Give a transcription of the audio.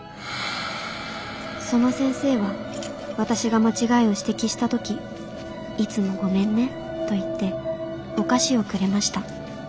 その先生は私が間違いを指摘した時いつもごめんねと言ってお菓子をくれました。